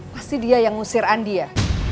pasti dia yang ngusir andi ya